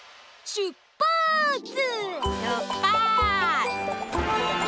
しゅっぱつ！